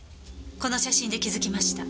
この写真で気づきました。